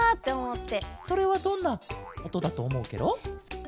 それはどんなおとだとおもうケロ？